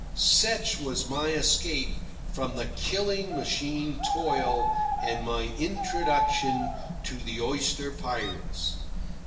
Such was my escape from the killing machine toil, and my introduction to the oyster pirates.